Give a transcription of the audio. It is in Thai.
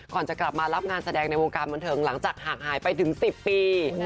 ก่อนจะกลับมารับงานแสดงในวงการบันเทิงหลังจากห่างหายไปถึง๑๐ปี